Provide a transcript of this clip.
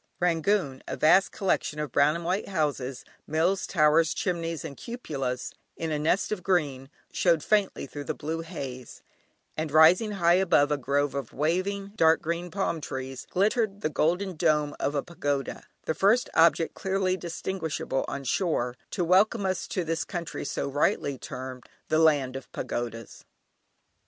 Rangoon, a vast collection of brown and white houses, mills, towers, chimneys, and cupolas, in a nest of green, showed faintly through the blue haze; and rising high above a grove of waving dark green palm trees, glittered the golden dome of a pagoda, the first object clearly distinguishable on shore, to welcome us to this country so rightly termed "The Land of Pagodas."